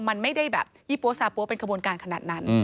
มันไม่ได้แบบยี่ปั๊ซาปั๊วเป็นขบวนการขนาดนั้น